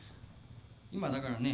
今だからね